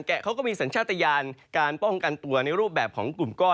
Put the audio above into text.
เขาก็มีสัญชาติยานการป้องกันตัวในรูปแบบของกลุ่มก้อน